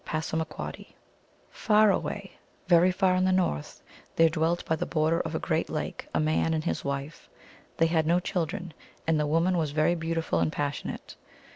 (Passamaquoddy.) Far away, very far in the north, there dwelt by the border of a great lake a man and his wife. They had no children, and the woman was very beautiful and passionate.